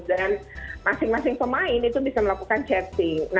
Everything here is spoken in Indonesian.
dan masing masing pemain itu bisa melakukan chatting